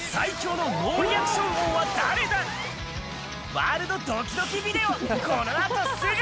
『ワールドドキドキビデオ』この後すぐ！